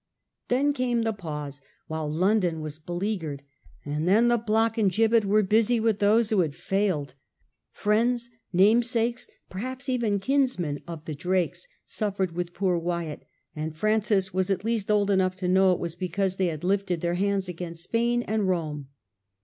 Then came the pause while London was beleaguered, and then the block and gibbet were busy with those who had failed. Friends, namesakes, perhaps even kinsmen of the Drakes, suffered with poor Wyatt^ and Francis was at least old enough to know it was because they had lifted their hands against Spain and Rome.